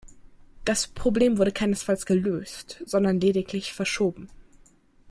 Das Problem wurde keinesfalls gelöst, sondern lediglich verschoben.